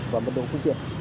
và mất đồng phương tiện